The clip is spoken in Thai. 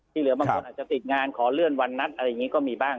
เหลือบางคนอาจจะติดงานขอเลื่อนวันนัดอะไรอย่างนี้ก็มีบ้าง